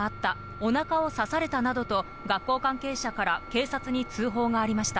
おなかを刺されたなどと、学校関係者から警察に通報がありました。